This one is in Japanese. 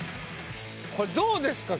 これどうですか？